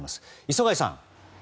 磯貝さん。